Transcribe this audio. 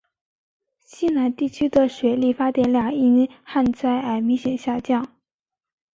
西南地区的水力发电量因旱灾而明显下降。